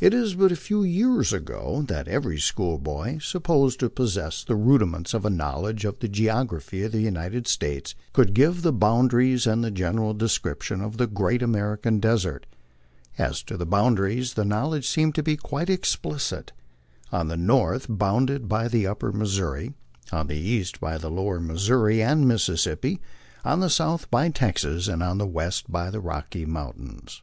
It is but a few years ago that every schoolboy, supposed to possess the rudi ments of a knowledge of the geography of the United States, could give the boundaries and a general description of the " Great American Desert." ^3, to the boundary the knowledge seemed to be quite explicit : on the north bounded by the Upper Missouri, on the east by the Lower Missouri and Mississippi, on the south by Texas, and on the west by the Rocky Mountains.